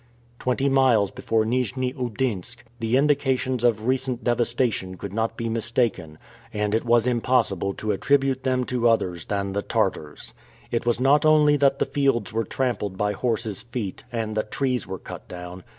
Twenty miles before Nijni Oudinsk, the indications of recent devastation could not be mistaken, and it was impossible to attribute them to others than the Tartars. It was not only that the fields were trampled by horse's feet, and that trees were cut down.